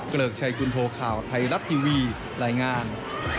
เกริกชัยคุณโทข่าวไทยรัฐทีวีรายงาน